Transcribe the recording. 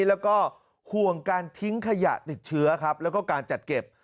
แล้วก็ห่วงการทิ้งขยะติดเชื้อครับแล้วก็การจัดเก็บ